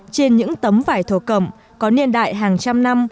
trên những tấm vải thổ cẩm có niên đại hàng trăm năm